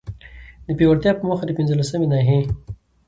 د پياوړتيا په موخه، د پنځلسمي ناحيي